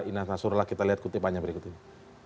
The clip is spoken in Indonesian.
inna nasurlah kita lihat kutipannya berikut ini